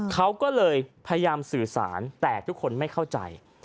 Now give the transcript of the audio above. เขาก็เลยพยายามสื่อสารแต่ทุกคนไม่เข้าใจ